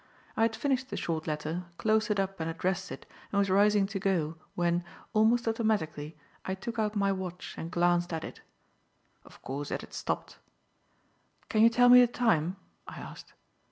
I had finished the short letter, closed it up and addressed it, and was rising to go, when, almost automatically, I took out my watch and glanced at it. Of course it had stopped. "Can you tell me the time?" I asked.